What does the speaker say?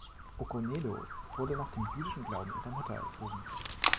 Okonedo wurde nach dem jüdischen Glauben ihrer Mutter erzogen.